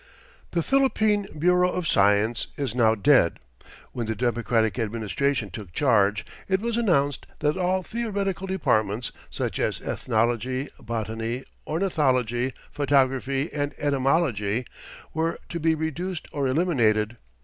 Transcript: The Philippine Bureau of Science "is now dead." When the Democratic Administration took charge it was announced that all theoretical departments, such as ethnology, botany, ornithology, photography and entomology (!) were to be "reduced or eliminated."